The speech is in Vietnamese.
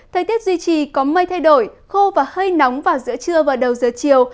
thời tiết duy trì có mây thay đổi khô và hơi nóng vào giữa trưa và đầu giờ chiều